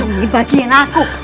ini bagiin aku